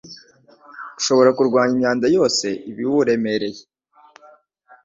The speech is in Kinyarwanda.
gushobora kurwanya imyanda yose iba iwuremereye.